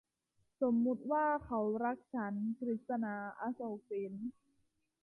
สมมติว่าเขารักฉัน - กฤษณา อโศกสิน